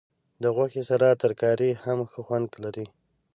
د غوښې سره ترکاري هم ښه خوند لري.